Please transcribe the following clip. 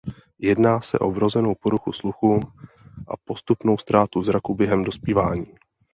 Jedná se o vrozenou poruchu sluchu a postupnou ztrátu zraku během dospívání.